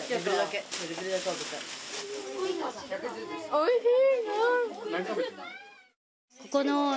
おいしい。